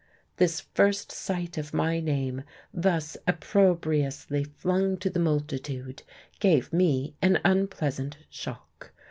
This first sight of my name thus opprobriously flung to the multitude gave me an unpleasant shock.